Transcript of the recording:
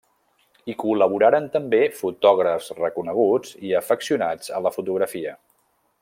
Hi col·laboraren també fotògrafs reconeguts i afeccionats a la fotografia.